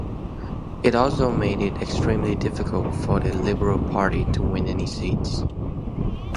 It also made it extremely difficult for the Liberal Party to win any seats.